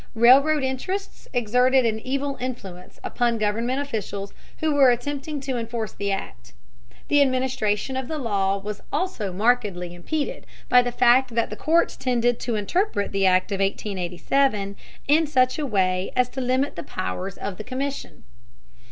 Railroad interests exerted an evil influence upon government officials who were attempting to enforce the Act. The administration of the law was also markedly impeded by the fact that the courts tended to interpret the Act of 1887 in such a way as to limit the powers of the Commission.